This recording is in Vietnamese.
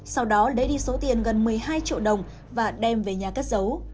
sau đó lấy đi số tiền gần một mươi hai triệu đồng và đem về nhà cất giấu